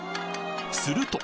すると！